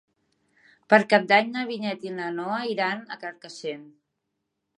Per Cap d'Any na Vinyet i na Noa iran a Carcaixent.